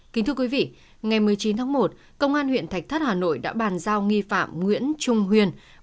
kính thưa quý vị ngày một mươi chín tháng một công an huyện thạch thất hà nội đã bàn giao nghi phạm nguyễn trung huyền